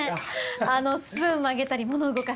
あのスプーン曲げたり物を動かしたり。